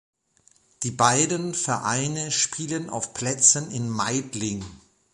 Die beiden Vereine spielen auf Plätzen in Meidling.